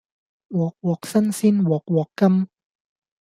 鑊鑊新鮮鑊鑊甘